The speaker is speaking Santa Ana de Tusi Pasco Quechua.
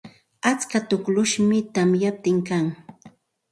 Atska tukllum tamyaptin kan.